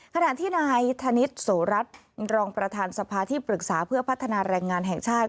ขณะที่นายธนิษฐ์โสรัตน์รองประธานสภาที่ปรึกษาเพื่อพัฒนาแรงงานแห่งชาติ